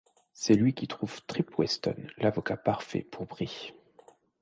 C'est lui qui trouve Trip Weston, l'avocat parfait, pour Bree.